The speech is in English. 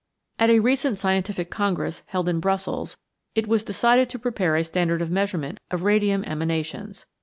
At a recent scientific congress, held in Brussels, it was decided to prepare a standard of measurement of radium emanations.